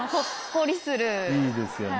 いいですよね。